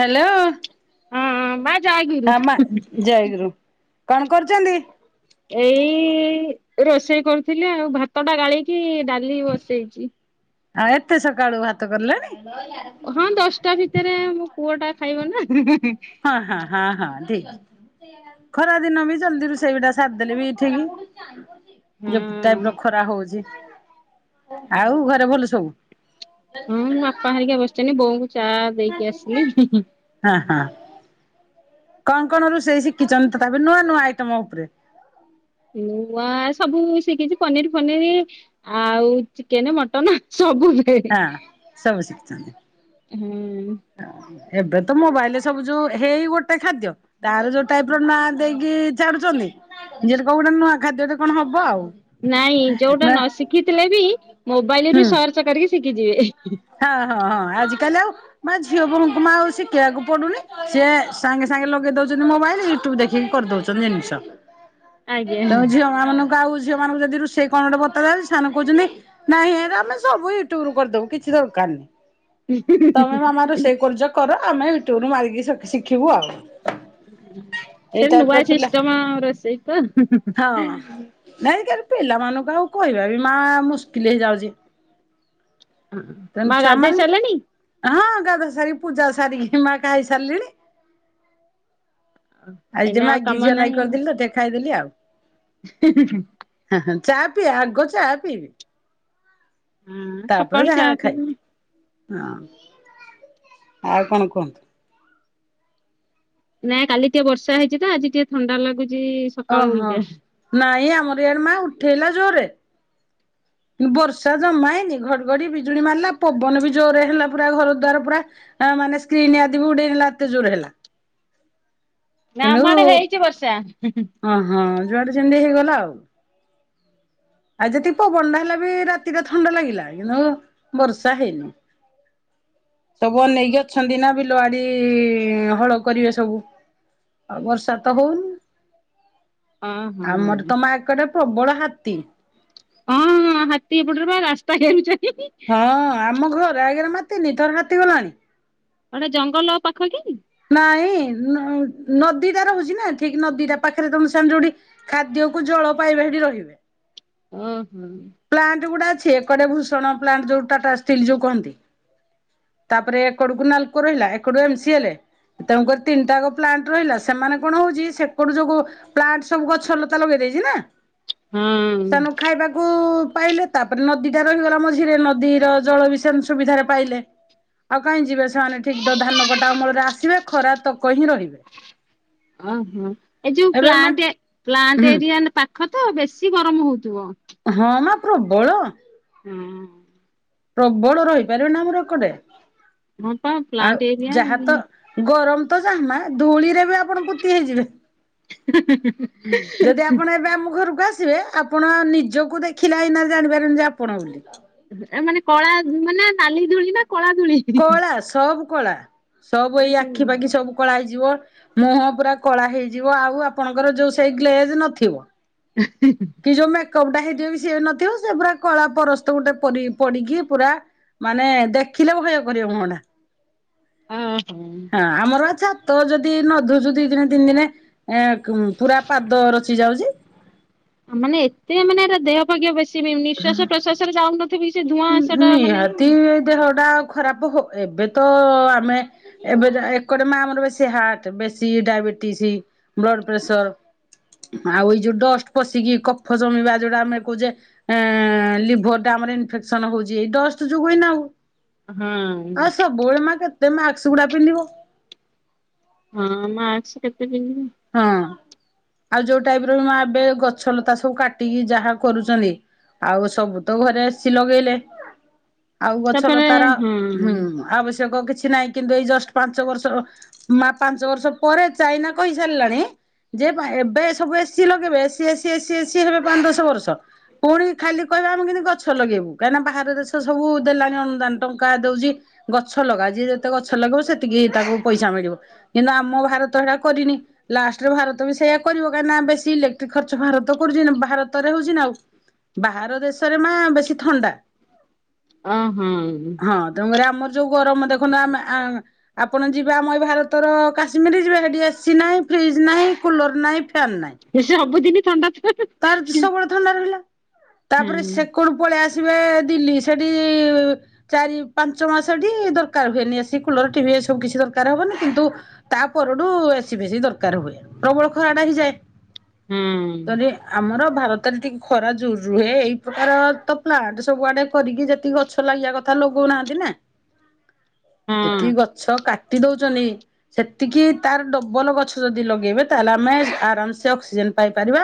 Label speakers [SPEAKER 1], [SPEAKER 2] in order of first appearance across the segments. [SPEAKER 1] Hello
[SPEAKER 2] [unintelligible]
[SPEAKER 1] ହ ମା ଜୟଗୁରୁ କଣ କରୁଚନ୍ତି?
[SPEAKER 2] ଏଇ ରୋଷେଇ କରୁଥିଲି ଆଉ ଭାତ ଟା ଗାଳିକି ଡାଲି ବସେଇଚି।
[SPEAKER 1] ଆଉ ଏତେ ସକାଳୁ ଭାତ କଲଣି?
[SPEAKER 2] ହଁ ଦଶ୍ ଟା ଭିତରେ ମୋ ପୁଅ ଟା ଖାଇବ ନା।
[SPEAKER 1] ହଁ ହଁ ହଁ ହଁ ଠିକ୍ ଅଛି। ଖରା ଦିନ ବି ଜଲଦି ରୁଷେଇ ଗୁଟା ସାରଦେଲେ ବି ଠିିକି।
[SPEAKER 2] ହଁ।
[SPEAKER 1] [unintelligible] ଖରା ହଉଚି, ଆଉ ଘରେ ଭଲ ସବୁ?
[SPEAKER 2] ହଁ ଆପା ହରିକା ବସିଚନ୍ତି ବୋଉଙ୍କୁ ଚା ଦେଇକି ଆସିଲି।
[SPEAKER 1] ହଁ ହଁ। କଣ କଣ ରୁଷେଇ ଶିଖିଚନ୍ତି ତାପରେ ନୂଆ ନୂଆ ଆଇଟମ ଉପରେ?
[SPEAKER 2] ନୂଆ ସବୁ ଶିକିଚି ପନିର୍ ଫନିରି ଆଉ ଚିକେନେ ମଟନ ସବୁ। ହୁଏ।
[SPEAKER 1] ହଁ ସବୁ ଶିଖିଚନ୍ତି।
[SPEAKER 2] ହୁଁ।
[SPEAKER 1] ଏବେ ତ ମୋବାଇଲରେ ସବୁ ଯୋଉ ହେଇ ଗୋଟେ ଖାଦ୍ୟ? ତାର ଯୋଉ ଟାଇପ୍ ର ନା ଦେଇକି ଚାଡୁଚନ୍ତି। ଜେମ ତି କୋ ଉବୁ ଗୋଟେ ନୂଆ ଖାଦ୍ୟଟେ କଣ ହବ ଆଉ।
[SPEAKER 2] ନାଇଁ ଯୋଉଟା
[SPEAKER 1] ନା
[SPEAKER 2] ନ ଶିଖିଥିଲେ ବି ମୋବାଇଲ ରୁ ସର୍ଚ୍ଚ କରିକି ଶିଖିଯିବେ।
[SPEAKER 1] ହାଁ ହଁ ହଁ ଆଜି କାଲି ଆଉ ମା ଝିଅ ବୋହୁଙ୍କୁ ମା ଆଉ ସିକେଇବାକୁ ପଡୁନି ସିଏ ସାଙ୍ଗେ ସାଙ୍ଗେ ଲଗେଇ ଦଉଚନ୍ତି ମୋବାଇଲ ୟୁଟ୍ୟୁବ ଦେଖିକି କରିଦଉଚନ୍ତି।
[SPEAKER 2] ଆଜ୍ଞା
[SPEAKER 1] [unintelligible] ତମ ଝିଅ। ମା ମାନଙ୍କୁ ଆଉ ଝିଅ ମାନଙ୍କୁ ଯଦି ରୁଷେଇ କଣ ଗଟେ ବତାଉ ସେମାନେ କଉଚନ୍ତି ନାଇଁ ହେରା ଆମେ ସବୁ ୟୁଟ୍ୟୁଵ୍ ରୁ କରିଦବୁ କିଛି ଦରକାର୍ ନାହିଁ। ତମେ ମାମାର ସେଇ କର୍ଯ୍ୟ କର ଆମେ ୟୁଟୁୁବରୁ ମାରିକି ସି- ଶିଖିବୁ ଆଉ। ଏଇ
[SPEAKER 2] ସେ ନୂଆ
[SPEAKER 1] ଟାଇପର ପିଲା
[SPEAKER 2] ସିଷ୍ଟମ ରୋଷେଇତ।
[SPEAKER 1] ହଁ। ନାଇଁ ଏଇକିରେ ପିଲାମାନଙ୍କୁ ଆଉ କହି଼ବା ବି ମା ମୁସ୍କିଲ ହେଇଯାଉଚି। ତେଣୁ
[SPEAKER 2] ମା
[SPEAKER 1] ଛୁଆ
[SPEAKER 2] ଗାଧେଇ ସାରିଲେଣି?
[SPEAKER 1] ମାନେ ହଁ ଗାଧୁଆ ସାରିକି ପୂଜା ସାରିକି ମା ଖାଇ ସାରିଲିଣି। ଆଜି ଟିକେ
[SPEAKER 2] ଏଇନା ଆଉ
[SPEAKER 1] ମାଗି
[SPEAKER 2] କାମ
[SPEAKER 1] ଝିଅ ଲାଗି
[SPEAKER 2] ନାହିଁ ଆଉ।
[SPEAKER 1] କରିଦିଲି ତ ଟିକେ ଖାଇଦେଲି ଆଉ।
[SPEAKER 2] [unintelligible]
[SPEAKER 1] ହଁ ହଁ ଚା ପିଏ ଆଗ ଚା ପିଇବି।
[SPEAKER 2] ହଁ
[SPEAKER 1] ତାପରେ
[SPEAKER 2] ସକାଳୁ
[SPEAKER 1] ଯାହା
[SPEAKER 2] ଚା ପିଇଦେଲି।
[SPEAKER 1] ଖାଏ ହଁ, ଆଉ କଣ କୁହନ୍ତୁ?
[SPEAKER 2] ନାଇଁ କାଲି ଟିକେ ବର୍ଷା ହେଇଛି ତ, ଆଜି ଟିକେ ଥଣ୍ଡା ଲାଗୁଚି
[SPEAKER 1] ଓହଁ ନାଇଁ ଆମର ଆଡେ ମାଆଁ ଉଠେଇଲା ଜୋରେ ବର୍ଷା ଜମାହେଇନି, ଘଡିଘଡି ବିଜୁଳି ମାରିଲା ପବନ ବି ଜୋରେ ହେଲା ପୁରା ଘର ଦ୍ୱାର ପୁରା ଆ ମାନେ ସ୍କ୍ରିନ୍ ଆଦି ବି ଉଡେଇ ନେଲା ଏତେ ଜୋର ହେଲା।
[SPEAKER 2] ନା ଆମଆଡେ ହେଇଚି ବର୍ଷା।
[SPEAKER 1] ଓ ହଁ ଯୁଆଡେ ଯେମିତି ହେଇଗଲା ଆଉ। ଆଉ ଯେତିକି ପବନଟା ହେଲାବି ରାତିଟା ଥଣ୍ଡା ଲାଗିଲା, ଏନୁ ବର୍ଷା ହେଇନି। ସବୁ ଅନେଇକି ଅଛନ୍ତି ନା ବିଲ ବାଡି-ହଳ କରିବେ ସବୁ। ବର୍ଷ ତ ହଉନି,
[SPEAKER 2] ଓହୋ
[SPEAKER 1] ଆମର ତ ମା ଏ କଡେ ପ୍ରବଳ ହାତୀ।
[SPEAKER 2] ହଁ ହାତୀ ଏପଟରେ ବା ରାସ୍ତା ଘେରୁଚନ୍ତି।
[SPEAKER 1] ହଁ ଆମ ଘର ଆଗରେ ମା ତିନି ଥର ହାତୀ ଗଲାଣି।
[SPEAKER 2] ହେଟା ଜଙ୍ଗଲ ପାଖ କି?
[SPEAKER 1] ନାଇଁ ନ- ନଦୀ ଟା ରହୁଚି ନା ଠିକ୍ ନଦୀଟା ପାଖରେ ତମେ ସାଙ୍ଗେ ଯୋଉଠି ଖାଦ୍ୟକୁ ଜଳ ପାଇବେ ହେଠି ରହିବେ।
[SPEAKER 2] ଉଁ ହୁଁ।
[SPEAKER 1] ପ୍ଲାଣ୍ଟ ଗୁଡ଼ା ଅଛି ଏକଡେ ଭୂଷଣ ପ୍ଲାଣ୍ଟ ଯୋଉ ଟାଟା ଷ୍ଟିଲ୍ ଯୋଉ କହନ୍ତି। ତାପରେ ଏକଡ଼କୁ ନାଲ୍କୋ ରହିଲା ଏକଡୁ ଏମ୍ ସି ଏଲ। ତେଣୁକରି ତିନିଟାଙ୍କ ପ୍ଲାଣ୍ଟ ରହିଲା ସେମାନେ କଣ ହଉଛି ସେପଟୁ ଯୋଗୁ। ପ୍ଲାଣ୍ଟ ସବୁ ଗଛ ଲତା ଲଗେଇ ଦେଇଛି ନା। ସେନୁ
[SPEAKER 2] ହୁଁ।
[SPEAKER 1] ଖାଇବାକୁ। କୁ ପାଇଲେ ତାପରେ ନଦୀଟା ରହିଗଲା ମଝିରେ ନଦୀର ଜଳ ବି ସେମତି ସୁବିଧାରେ ପାଇଲେ। ଆଉ କାହିଁ ଯିବେ ସେମାନେ ଠିକ୍ ତ ଧାନ କଟା ଅମଳ ରେ ଆସିବେ ଖରାତକ ହିିଁ ରହିବେ।
[SPEAKER 2] ଓହଁ, ଏ ଯୋଉ
[SPEAKER 1] ଏବେ ମା
[SPEAKER 2] ପ୍ଲାଣ୍ଟ, ପ୍ଲାଣ୍ଟ
[SPEAKER 1] ହୁଁ
[SPEAKER 2] ଏରିଆ ପା ଖ ତ ବେଶୀ ଗରମ ହଉଥିବ।
[SPEAKER 1] ହଁ ମା ପ୍ରବଳ।
[SPEAKER 2] ହଁ।
[SPEAKER 1] ପ୍ରବଳ ରହିପାରିବ ନା ଆମର ଏପଟେ,
[SPEAKER 2] ହଁ ପା
[SPEAKER 1] ଆଉ
[SPEAKER 2] ପ୍ଲାଣ୍ଟ ଏରିଆ
[SPEAKER 1] ଯାହା ତ। ଗରମ ତ ଯାହା ମା ଧୂଳିରେ ବି ଆପ ଆପଣ ପୋତି ହେଇଯିବେ, ଯଦି ଆପଣ ଏବେ ଆମ ଘରକୁ ଆସିବେ। ଆପଣ ନିଜକୁ ଦେଖିଲା ଆଇନାରେ ଜାଣିପାରିବନି ଯେ ଆପଣ ବୋଲି।
[SPEAKER 2] ଆ ମାନେ କଳା ମାନେ ନାଲି ଧୂଳି ନା କଳା ଧୂଳି।
[SPEAKER 1] କଳା ସବୁ କଳା ସବୁ
[SPEAKER 2] ଆରେ
[SPEAKER 1] ଏଇ
[SPEAKER 2] ଚୁଇଁ।
[SPEAKER 1] ଆଖି ପାଖି ସବୁ। କଳା ହେଇଯିବ, ମୁହଁ ପୁରା କଳା ହେଇଯିବ ଆଉ ଆପଣଙ୍କର ଯୋଉ ସେଇ ଗ୍ଲେଜ୍ ନଥିବ।
[SPEAKER 2] [unintelligible]
[SPEAKER 1] ଏଇ ଯୋଉ ମେକଅପ୍ ଟା ହେଇଥିବ ବି ସିଏ ନଥିବ ସେ ପୁରା କଳା ପରସ୍ତ ଗୋଟେ ପରି ପରିକି ପଡିକି ପୁରା। ମାନେ ଦେଖିଲେ ଭୟ କରିବେ ମୁହଁଟା।
[SPEAKER 2] ହଁ, ହୁଁ।
[SPEAKER 1] ଆମର ବା ଛାତ ଯଦି ନ ଧୋଉଛୁ ଦି ଦିନେ ତିନି ଦିନେ। ଏଁ କ୍ ପୁରା ପାଦ ରଚି ଯାଉଛି।
[SPEAKER 2] ମାନେ ଏତେ ମାନେ ଏରା ଦେହ ଅବାଗିଆ ବେଶୀ ବି ନିଶାସ ପ୍ରଶ୍ୱାସରେ ଯାଉନଥିବ କି ସେ ଧୂଆଁ ସେଟା ମାନେ ଇଏ ନୁହଁ।
[SPEAKER 1] ଦେହ ଟା ଆଉ ଖରାପ ହଉ ଏବେ ତ ଆମେ। ଏବେ ଯା ଏକଡେ ମା ଆମର ବେଶୀ ହାର୍ଟ ବେଶୀ ଡାଇବେଟିସ୍, ବ୍ଲଡ ପ୍ରେସର। ଆଉ ଏଇ ଯୋଉ ଡଷ୍ଟ ପଶିକି କଫ ଜମିବା ଯୋଉଟା ଆମେ କହୁଛେ। ଏଁ ଲିଭର ଟା ଆମର ଇନଫେକ୍ସନ ହଉଛି ଏଇ ଡଷ୍ଟ ଯୋଗୁ ହିଁ ନା ଆଉ।
[SPEAKER 2] ହୁଁ।
[SPEAKER 1] ବୋ ଏ ମା କେତେ ମାକ୍ସ ଗୁଡା ପିନ୍ଧିବ।
[SPEAKER 2] ହଁ ମାକ୍ସ କେତେ ପିନ୍ଧିବ?
[SPEAKER 1] ହଁ ଆଉ ଯୋଉ ଟାଇପ ର ମା ଏବେ ଗଛ, ଲତା ସବୁ କାଟିକି ଯାହା କରୁଛନ୍ତି। ଆଉ ସବୁ ତ ଘରେ ଏସି ଲଗେଇଲେ। ଆଉ ଗଛ
[SPEAKER 2] ତାପରେ
[SPEAKER 1] ଲତାର,
[SPEAKER 2] ହଁ।
[SPEAKER 1] ହୁଁ ଆବଶ୍ୟକ କିଛି ନାହିଁ। କିନ୍ତୁ ଏଇ ଜଷ୍ଟ ପାଞ୍ଚ ବର୍ଷ, ମା ପାଞ୍ଚ ବର୍ଷ ପରେ ଚାଇନା କହି ସାରି ଲାଣି ଯେ ଏବେ ସବୁ ଏସି ଲଗେଇବେ, ଏସି ଏସି ଏସି ଏସିି ହେବେ ପାଞ୍ଚ ଦଶ ବର୍ଷ। ପୁଣି ଖାଲି କହିବେ ଆମେ କେମିତି ଗଛ ଲଗେଇବୁ, କାହିଁକି ନା ବାହାର ଦେଶ ସବୁ ଦେଲାଣି ଅନୁଦାନ, ଟଙ୍କା ଦଉଛି। ଗଛ ଲଗାଅ, ଯିଏ ଯେତେ ଗଛ ଲଗେଇବ ସେତିକି ତାକୁ ପଇସା ମିଳିବ। କିନ୍ତୁ ଆମ ଭାରତ ହେଟା କରିନି। ଲାଷ୍ଟରେ ଭାରତ ବି ସେଇଆ କରିବ, କାହିଁ ନା ବେଶୀ ଇଲେକ୍ଟ୍ରି ଖର୍ଚ୍ଚ ଭାରତ କରୁଛି, ଭାରତରେ ହଉଛି ନା ଆଉ। ବାହାର ଦେଶରେ ମା ବେଶୀ ଥଣ୍ଡା।
[SPEAKER 2] ଅ ହଁ।
[SPEAKER 1] ହଁ, ତେଣୁ କରି ଆମର ଯୋଉ ଗରମ ଦେଖୁନା ଆମେ ଆମେ। ଆପଣ ଯିବେ, ଆମ ଏଇ ଭାରତର କାଶ୍ମୀର ଯିବେ, ସେଠି ଏସି ନାହିଁ। ଫ୍ରିଜ୍ ନାଇ, କୁଲର ନାଇ, ଫ୍ୟାନ ନାଇ।
[SPEAKER 2] ଯେ, ସେ ସବୁଦିନି ଥଣ୍ଡା ଥ ଥ।
[SPEAKER 1] ତାର ତ ସବୁବେଳେ ଥଣ୍ଡା ରହିଲା।
[SPEAKER 2] ହଁ
[SPEAKER 1] ତାପରେ ସେ। କୋଉଠୁ ପଳେଇ ଆସିବେ ଦିଲ୍ଲୀ। ସେଠି। ଚାରି, ପାଞ୍ଚ ମାସ ଟି ଦରକାର ହୁଏନି। ଏସି, କୁଲର, ଟିଭି ଏ ସବୁ କିଛି ଦରକାର ହବନି, କିନ୍ତୁ। ତା ପରଠୁ ଏସି ବେଶୀ ଦରକାର ହୁଏ, ପ୍ରବଳ ଖରା ଟା ହେଇଯାଏ।
[SPEAKER 2] ହଁ।
[SPEAKER 1] ତ ଏ। ଆମର ଭାରତରେ ଟିକେ ଖରା ଜୋରରେ ରୁହେ, ଏଇ ପ୍ରକାର ତ ପ୍ଲାଟ ସବୁ ଆଡେ କରିକି ଯେତି ଗ। ଗଛ ଲାଗିଆ କଥା ଲଗଉ ନାହାନ୍ତି ନା।
[SPEAKER 2] ହଁ
[SPEAKER 1] ଯେତିକି ଗଛ କାଟି ଦଉଚନ୍ତି। ସେତିକି ତାର ଡବଲ ଗଛ ଯଦି ଲଗେଇବେ ତାହେଲେ ଆମେ ଆରାମସେ ଅକ୍ସିଜେନ ପାଇପାରିବା।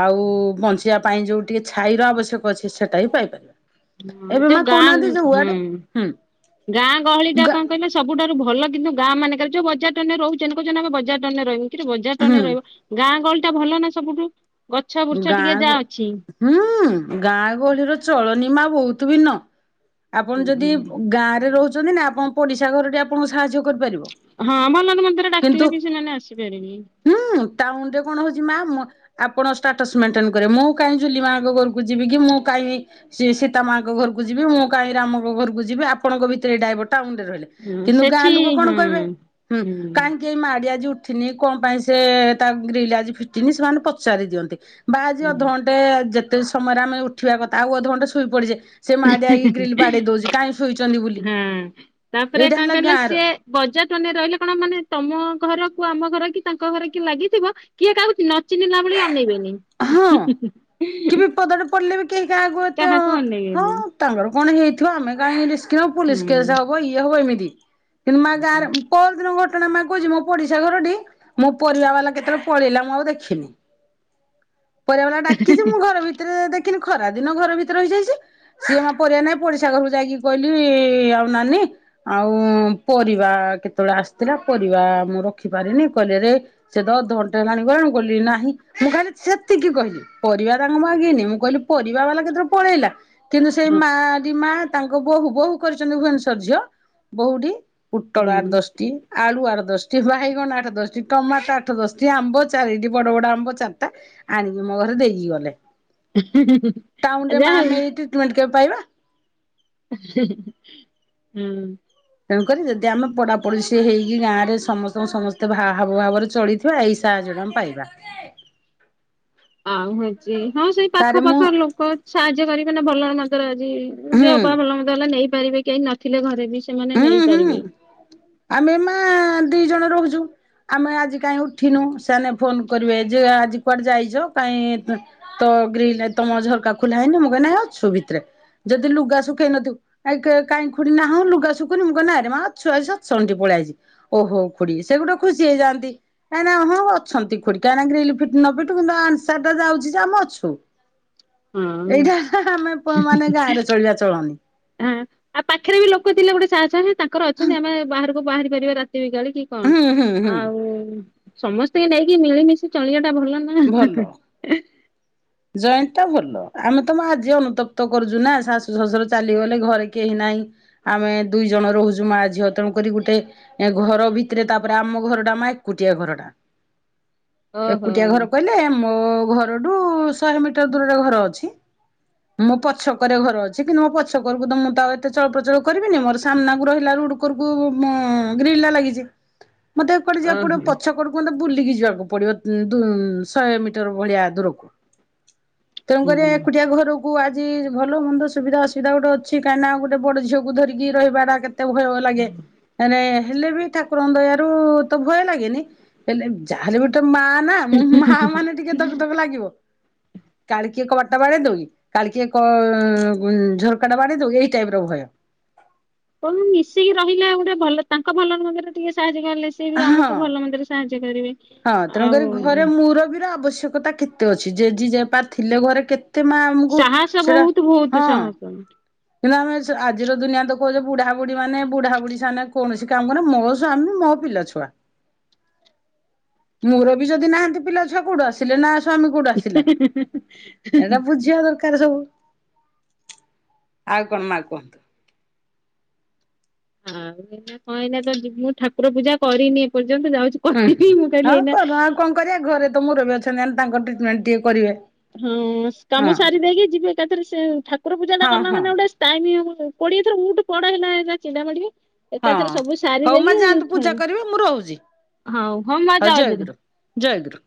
[SPEAKER 1] ଆଉ ବଞ୍ଚିଆ ପାଇଁ ଯୋଉ ଟିକେ ଛାଇର ଆବଶ୍ୟକ ଅଛି ସେଇଟା ବି ପାଇପାରିବା।
[SPEAKER 2] ହଁ, ଏ
[SPEAKER 1] ଏବେ ମା
[SPEAKER 2] ଯୋଉ
[SPEAKER 1] କହୁନାହାନ୍ତି
[SPEAKER 2] ଗାଁ, ହୁଁ,
[SPEAKER 1] ଯୁଆଡେ ହୁଁ
[SPEAKER 2] ଗାଁ ଗହଳିଟା
[SPEAKER 1] ଗା
[SPEAKER 2] କଣ କହିଲ। ସବୁଠାରୁ ଭଲ କିନ୍ତୁ ଗାଁ ମାନେକରେ। ଯୋଉ ବଜାର ଟାଉନ୍ ରହୁଚନ୍ତି, କହୁଚନ୍ତି ଆମେ ବଜାର, ଟାଉନ୍ ରେ ରହିବୁ କି ବଜାର ଟାଉନ୍ ରେ
[SPEAKER 1] ହୁଁ
[SPEAKER 2] ରହିବ। ଗାଁ ଗହଳି ଟା ଭଲ ନା ସବୁଠୁ। ଗଛ ବୁର୍ଛ ଟିକେ
[SPEAKER 1] ଗାଁ
[SPEAKER 2] ଯାହା
[SPEAKER 1] ଗହଳି,
[SPEAKER 2] ଅଛି।
[SPEAKER 1] ହୁଁ, ଗାଁ ଗହଳିର ଚଳନି ମା ବହୁତୁ ଭିନ୍ନ। ଆପଣ ଯଦି ଗାଁରେ ରହୁଚନ୍ତି ନା ଆପଣ ପଡ଼ିଶା ଘର ଟି ଆପଣଙ୍କୁ ସାହାଯ୍ୟ କରିପାରିବ।
[SPEAKER 2] ହଁ, ଭଲରେ ମନ୍ଦରେ ଡାକିଲେ
[SPEAKER 1] କିନ୍ତୁ
[SPEAKER 2] ବି ସେମାନେ ଆସିପାରିବେ।
[SPEAKER 1] ହୁଁ, ଟାଉନ ରେ କଣ ହଉଚି ମା ଆପଣ। ଷ୍ଟାଟସ୍ ମେଣ୍ଟେନ କରେ। ମୁଁ କାହିଁକି ଜୁଲି ମାଙ୍କ ଘରୁକୁ ଯିବି କି? ମୁଁ କାଇଁ। ସେ ସୀତାମାଙ୍କ ଘରୁକୁ ଯିବି, ମୁଁ କାହିଁକି ରାମଙ୍କ ଘରକୁ ଯିବି, ଆପଣଙ୍କ ଭିତରେ ଏଇ ଡାଇଭଟ ଟା ଟାଉନ ରେ ରହିଲା।
[SPEAKER 2] ହଁ
[SPEAKER 1] କିନ୍ତୁ, ଗାଁ
[SPEAKER 2] ସେଠି
[SPEAKER 1] ଲୋକ କଣ
[SPEAKER 2] ହଁ
[SPEAKER 1] କହିବେ ହୁଁ କାହିଁକି ଏ ମା ଟି ଆଜି ଉଠ। ଠିନି କଣ ପାଇଁ ସେ ତା ଗ୍ରିଲ ଆଜି ଫିଟିନି ସେମାନେ ପଚାରି ଦିଅନ୍ତି ବା ଆଜି
[SPEAKER 2] ହୁଁ
[SPEAKER 1] ଅଧଘ। ଗେ ଯେତେ ସମୟରେ ଆମେ ଉଠିବା କଥା ଆଉ ଅଧଘଣ୍ଟେ ଶୋଇ ପଡିଛେ। ସେ ମା ଯାଇକ ଗ୍ରିଲ ବାଡେଇ ଦଉଚି କାହିଁକି ଶୋଇଚନ୍ତି ବୋଲି
[SPEAKER 2] ହଁ। ତାପରେ
[SPEAKER 1] ଏଇଟା
[SPEAKER 2] କଣ
[SPEAKER 1] ହେଲା
[SPEAKER 2] କହିଲ
[SPEAKER 1] ଗାଁର।
[SPEAKER 2] ସିଏ ବଜାର, ଟାଉନ୍ ରେ ରହିଲେ କଣ ମାନେ ତମ ଘରକୁ ଆମ ଘର କି ତାଙ୍କ ଘର କି ଲାଗିଥିବ। କିଏ କାହାକୁ ନ ଚିହ୍ନିଲା ଭଳି ଅନେଇବେନି।
[SPEAKER 1] ହଁ, କି ବି ପଦାରେ ପଡ଼ିଲେ ବି କେହି କାହାକୁ ଏତେ ହଁ ହଁ। ତାଙ୍କର କଣ ହେଇଥିବ ଆମେ କାହିଁକି ରିସ୍କ ନବୁ। ପୋଲିସ
[SPEAKER 2] ହଁ।
[SPEAKER 1] କେସ ହବ ଇଏ ହବ ଏମିତି। [unintelligible] ଘଟଣା ମାଗୁଚି ମୋ ପଡିଶା ଘରଟି ମୋ ପରିବା ବାଲା କେତବଳେ ପଳେଇଲା ମୁଁ ଆଉ ଦେଖିନି। ପରିବା ବାଲା ଡାକିଚି ମୁଁ ଘର ଭିତରେ ଦେଖିନି ଖରା ଦିନ ଘର ଭିତରେ ରହିଯାଇଚି। ସିଏ ମା ପରିବା ନାଇଁ ପଡିଶା ଘରକୁ ଯାଇକି କହିଲି ଆଉ ନାନି। ଆଉ ପରିବା କେତବଳେ ଆସିଥିଲା ପରିବା ମୁଁ ରଖିପାରିନି କହିଲେ ରେ। ସେ ତ ଅଧଘଣ୍ଟେ ହେଲାଣି ଗଲାଣି ଗୋଲି ନାହିଁ ମୁଁ ଖାଲି। ସେତିକି କହିଲି ପରିବା ତାଙ୍କୁ ମାଗିନି ମୁଁ କହିଲି ପରିବା ବାଲା କେତବଳେ ପଳେଇଲା। କିନ୍ତୁ, ସେଇ ମାଟି ମା ତାଙ୍କ ବୋହୂ ବୋହୂ କରିଚନ୍ତି ଭୁବନେଶ୍ୱର ଝିଅ ବୋହୂଟି। ପୋଟଳ ଆଠ
[SPEAKER 2] ହୁଁ
[SPEAKER 1] ଦଶଟି, ଆଳୁ ଆଠ ଦଶଟି, ବାଇଗଣ ଆଠ ଦଶଟି, ଟମାଟ ଆଠ ଦଶଟି, ଆମ୍ବ। ଚାରିଟି ବଡ ବଡ ଆମ୍ବ ଚାରିଟା ଆଣିକି ମୋ ଘରେ ଦେଇକି ଗଲେ। ଟାଉନରେ
[SPEAKER 2] ଯା
[SPEAKER 1] ମା
[SPEAKER 2] ହଉ।
[SPEAKER 1] [unintelligible]
[SPEAKER 2] ହୁଁ।
[SPEAKER 1] ତେଣୁକରି ଯଦି ଆମେ ପଡ଼ାପଡୋସି ହେଇକି ଗାଁରେ ସମସ୍ତଙ୍କୁ ସମସ୍ତେ ହାବ ଭାବରେ ଚଳି। ଥିବା ଏଇ ସାହାଯ୍ୟ ଟା ଆମେ ପାଇବା।
[SPEAKER 2] ଆଉ ହେଉଚି ହଁ, ସେଇ ପାଖ
[SPEAKER 1] ତାରେ ମୁଁ
[SPEAKER 2] ପାଖ ଲୋକ ସାହାଯ୍ୟ କରିବେ ନା ଭଲରେ ମନ୍ଦରେ ଆଜି।
[SPEAKER 1] ହୁଁ
[SPEAKER 2] ଦେହପା ଭଲ ମନ୍ଦ ହେଲେ ନେଇପାରିବେ କେହି ନଥିଲେ ଘରେ ବି ସେମାନେ
[SPEAKER 1] ହୁଁ ହୁଁ
[SPEAKER 2] ନେଇପାରିବେ।
[SPEAKER 1] ଆମେ ମା ଦି ଜଣ ରହୁଚୁ। ଆମେ ଆଜି କାହିଁ ଉଠିନୁ ସେମାନେ ଫୋନ କରିବେ ଯେ ଆଜି କୁଆଡେ ଯାଇଚ କାହିଁ ତ ଗ୍ରୀିଲ ତମ ଝରକା ଖୁଲା ହେଇନ ମୁଁ କହିଲି ଅଛୁ ଭିତରେ। ଯଦି ଲୁଗା ଶୁଖେଇ ନଥିବୁ କାହିଁ ଖୁଡି ନାଁହ ଲୁଗା ଶୁଖୁନି ମୁଁ କହିଲି ଆରେ ମା ଅଛୁ ଆଜି ସତସଙ୍ଗ ଟିକେ ପଳେଇ ଅଇଚି ଓହୋ ଖୁଡି ସେ ଗୋଟେ ଖୁସି ହେଇଯାନ୍ତି। କାଁକ ନା ହଁ ଅଛନ୍ତି ଖୁଡି କାହିଁକି ଗ୍ରିଲ ଫିଟ ନ ଫିଟୁ କିନ୍ତୁ ଆନ୍ସାର ଟା ଯାଉଚି ଯେ ଆମ ଅଛୁ।
[SPEAKER 2] ହଁ
[SPEAKER 1] ଏଇଟା ଆମେ ପ ମାନେ ଗାଁ ରେ ଚଳିବା ଚଳନି।
[SPEAKER 2] ହଁ ଆଉ ପାଖେରେ ବି ଲୋକ ଥିଲେ ଗୋଟେ ସାହସ ଅଛି ତାଙ୍କର ଅଛନ୍ତି ଆମେ ବାହାରକୁ ବାହାରି ପାରିବା ରା ତି ବିକାଳି କି
[SPEAKER 1] ହୁଁ ହୁଁ
[SPEAKER 2] କଣ
[SPEAKER 1] ହୁଁ
[SPEAKER 2] ଆଉ ସମସ୍ତିଙ୍କି ନେଇକି ମିଳିମିଶି ଚଳିବା ଟା ଭଲ ନା।
[SPEAKER 1] ଭଲ।
[SPEAKER 2] [inaudible]
[SPEAKER 1] ଜଏଣ୍ଟ ଟା ଭଲ ଆମେ ତମ ଆଜି ଅନୁତପ୍ତ କରୁଚୁ ନା ଶାଶୁ ଶ୍ୱଶୁର ଚାଲିଗଲେ ଘରେ କେହି ନାହିଁ। ଆମେ ଦୁଇ ଜଣ ରହୁଚୁ ମା ଝିଅ ତେଣୁ କରି ଗୁଟେ ଏ ଘର ଭିତେରେ ତାପରେ ଆମ ଘର ଟା ମା ଏକୁଟିଆ ଘରଟା।
[SPEAKER 2] ଓହୋ
[SPEAKER 1] ଏକୁଟିଆ ଘର କହିଲେ ମୋ ଘରଠୁ ଶହେ ମିଟର ଦୂରରେ ଘର ଅଛି। ମୋ ପଛକରେ ଘର ଅଛି କିନ୍ତୁ ମୋ ପଛକରକୁ ତ ମୁଁ ଏତେ ଚଳପ୍ରଚଳ କରିବିନି ମୋର ସାମ୍ନାକୁ ରହିଲାରୁ ରୁଡ କରୁକୁ ଗ୍ରିଲ ଟା ଲାଗିଚି, ମୋତେ କୁଆଡେ ଯିବାକୁ
[SPEAKER 2] ଓହୋ
[SPEAKER 1] ପଡ଼ିବ ପଛ କରକୁ ମତେ ବୁଲିକି ଯିବାକୁ ପଡିବ ଶହେ ମିଟର ଭଳିଆ ଦୂରକୁ। ତେଣୁ
[SPEAKER 2] ହୁଁ।
[SPEAKER 1] କରି ଏକୁଟିଆ ଘରୁ କୁ ଆଜି ଭଲ ମନ୍ଦ ସୁବିଧା ଅସୁବିଧା ଗୋଟେ ଅଛି କାହିଁକିନା ଗୋଟେ ବଡ ଝିଅକୁ ଧରିକିନା ରହିବା ଟା କେତେ ତାକୁ ଭୟ ଲାଗେ ମାନେ ହେଲେ ବି ତା ଠାକୁରଙ୍କ ଦୟାରୁ ତ ଭୟ ଲାଗେନି ହେଲେ ଯା ହେଲେ ଗୋଟେ ମା ନା ମା ମାନେ ଟିକେ ଧକ ଧକ ଲାଗିବ। କାଳ କିିଏ କବାଟ ଟା ବାଡେଇ ଦବ କି କାଳ କିିଏ କ ଝରକାଟା ବାଡେଇ ଦବ କି ଏଇ ଟାଇପ ର ଭୟ।
[SPEAKER 2] କଣ ମିଶିକି ରହିଲେ ଗୋଟେ ଭଲ ତାଙ୍କ ଭଲ ମନ୍ଦରେ ଟିକେ ସାହାଯ୍ୟ କଲେ ସିଏ ବି
[SPEAKER 1] ହଁ।
[SPEAKER 2] ଆମକୁ ଭଲ ମନ୍ଦିରେ ସାହାଯ୍ୟ କରିବେ।
[SPEAKER 1] ହଁ
[SPEAKER 2] ଆଉ
[SPEAKER 1] ତେଣୁକରି ଘରେ ମୁରବୀ ର ଆବଶ୍ୟକତା କେତେ ଅଛି ଜେଜି ଜେପା ଥିଲେ ଘରେ କେ ମତେ ମା ଆମକୁ
[SPEAKER 2] ସାହସ
[SPEAKER 1] ସେଇଟା
[SPEAKER 2] ବହୁତ ବହୁତ
[SPEAKER 1] ହଁ।
[SPEAKER 2] ସାହସ।
[SPEAKER 1] କିନ୍ତୁ ଆମେ ସେ ଆଜିର ଦୁନିଆ ତ କହୁଚେ ବୁଢାବୁଢୀ ମାନ ବୁଢାବୁଢୀ ସାମ୍ନାରେ କୌଣସି କାମରେ ମୋ ସ୍ବାମୀ ମୋ ପିଲା ଛୁଆ। ମୋର ବି ଯଦି ନାହାନ୍ତି ପିଲା ଛୁଆ କୁଆଡ଼ୁ ଆସି ଥିଲେ ନା ସ୍ଵାମୀ କୋଉଠୁ ଆସିଲା ଏଟା ବୁଝିବା ଦରକାର ସବୁ। ଆଉ କଣ ମା କୁହ?
[SPEAKER 2] ଆଉ [unintelligible] ମୁଁ ଠାକୁର ପୂଜା କରିନି ଏପର୍ଯ୍ୟନ୍ତ ଯାଉଚି
[SPEAKER 1] ହୁଁ ହୁଁ
[SPEAKER 2] [unintelligible] ମୁ
[SPEAKER 1] ହଁ
[SPEAKER 2] କହିଲି ଏଇନା
[SPEAKER 1] କର ଆଉ କଣ କରିବା ଘରେ ତ ମୁରବି ଅଛନ୍ତିମାନେ ତାଙ୍କ ଟ୍ରିଟମେଣ୍ଟ ଟିକେ କରିବା।
[SPEAKER 2] ହଁ କାମ ସାରି ଦେଇକି ଯିବେ ଏକାଥରେ ସେ ଠାକୁର ପୂଜା ଟା
[SPEAKER 1] ହଁ
[SPEAKER 2] କଲା
[SPEAKER 1] ହଁ
[SPEAKER 2] ମାନେ ଗୋଟେ ଟାଇମ କୋଡିଏ ଥର ଉଠୁ ପଡ଼ ହେଲେ ଚିଡ଼ା ମାଡ଼ିବନି।
[SPEAKER 1] ହଁ।
[SPEAKER 2] ଏକାଥରେ ସବୁ ସାରି
[SPEAKER 1] ହଉ ମା ଯାଆନ୍ତୁ
[SPEAKER 2] ଦେଇକି
[SPEAKER 1] ପୂଜା କରିବେ ମୁଁ ରହୁଛି
[SPEAKER 2] ହୁଁ ହଁ ମା ଜୟଗୁରୁ।
[SPEAKER 1] ଜୟଗୁରୁ।